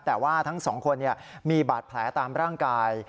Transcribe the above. แต่ว่าทั้งสองคนมีบาดแผลตามร่างกาย